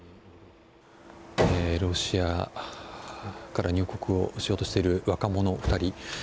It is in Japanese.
ロシアから入国をしようとしている若者２人。